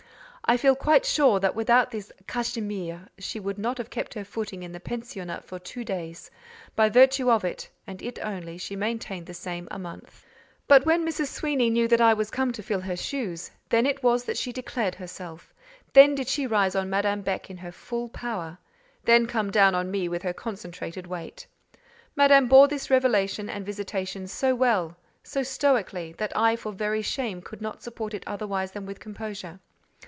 I feel quite sure that without this "cachemire" she would not have kept her footing in the pensionnat for two days: by virtue of it, and it only, she maintained the same a month. But when Mrs. Sweeny knew that I was come to fill her shoes, then it was that she declared herself—then did she rise on Madame Beck in her full power—then come down on me with her concentrated weight. Madame bore this revelation and visitation so well, so stoically, that I for very shame could not support it otherwise than with composure.